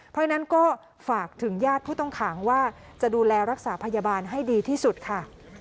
เพราะฉะนั้นก็ฝากถึงญาติผู้ต้องขังว่าจะดูแลรักษาพยาบาลให้ดีที่สุดค่ะ